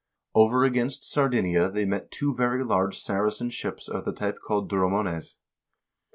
"Over against Sardinia they met two very large Saracen ships of the type called dromones."